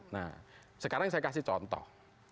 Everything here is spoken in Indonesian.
nah sekarang saya kasih contoh